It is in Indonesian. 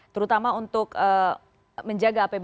terutama untuk menjaga apbn